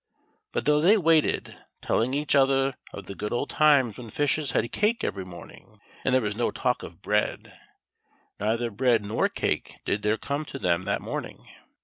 But though they waited, telling each other of the good old times when fishes had cake every morning, and there was no talk of bread, neither bread nor cake did there come to them that morn ing.